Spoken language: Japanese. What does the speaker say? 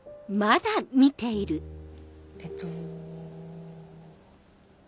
えっと。